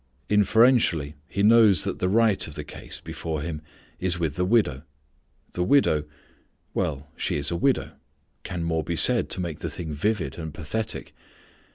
Inferentially he knows that the right of the case before him is with the widow. The widow well, she is a widow. Can more be said to make the thing vivid and pathetic!